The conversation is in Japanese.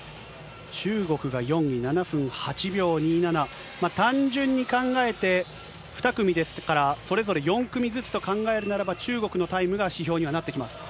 中国が４位、７分８秒２７、単純に考えて、２組ですから、それぞれ４組ずつと考えるならば、中国のタイムが指標にはなってきます。